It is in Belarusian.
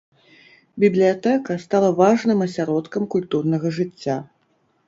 Бібліятэка стала важным асяродкам культурнага жыцця.